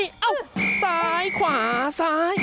ซ้ายขวาซ้ายขวาซ้าย